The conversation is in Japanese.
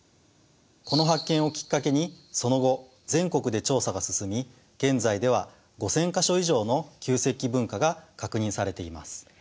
この発見をきっかけにその後全国で調査が進み現在では５，０００か所以上の旧石器文化が確認されています。